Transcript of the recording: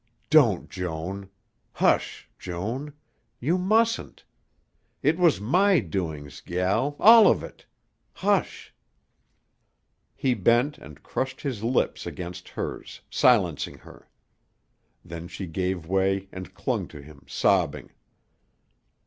"Don't Joan! Hush, Joan! You mustn't. It was my doings, gel, all of it. Hush!" He bent and crushed his lips against hers, silencing her. Then she gave way and clung to him, sobbing.